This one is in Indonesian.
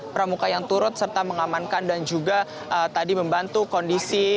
pramuka yang turut serta mengamankan dan juga tadi membantu kondisi